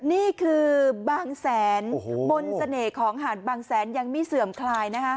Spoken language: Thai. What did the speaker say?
นี่คือบางแสนมนต์เสน่ห์ของหาดบางแสนยังไม่เสื่อมคลาย